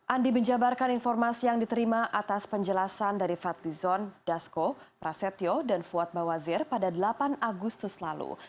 andi menjabarkan informasi yang diterima atas penjelasan dari fadlizon dasko prasetyo dan fuad bawazir pada delapan agustus lalu